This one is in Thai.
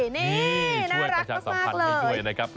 นี่ช่วยประชาติสำคัญด้วยนะครับ